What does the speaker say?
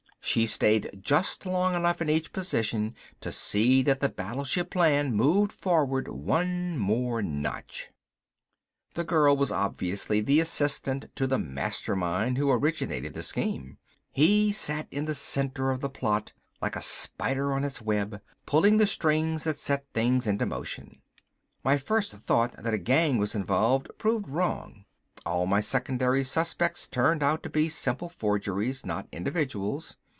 She stayed just long enough in each position to see that the battleship plan moved forward one more notch. This girl was obviously the assistant to the Mastermind who originated the scheme. He sat in the center of the plot, like a spider on its web, pulling the strings that set things into motion. My first thought that a gang was involved proved wrong. All my secondary suspects turned out to be simple forgeries, not individuals.